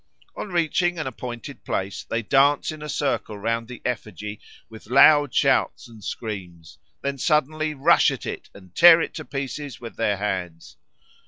On reaching an appointed place they dance in a circle round the effigy with loud shouts and screams, then suddenly rush at it and tear it to pieces with their hands.